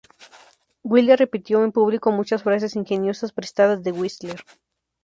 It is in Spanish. Wilde repitió en público muchas frases ingeniosas prestadas de Whistler.